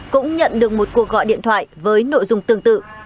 cũng nhận được một cuộc gọi điện thoại với nội dung tương tự